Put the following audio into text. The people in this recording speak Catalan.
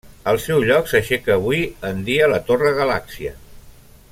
Al seu lloc s'aixeca avui en dia la Torre Galàxia.